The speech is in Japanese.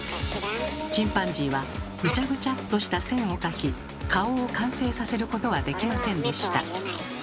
チンパンジーはグチャグチャッとした線を描き顔を完成させることはできませんでした。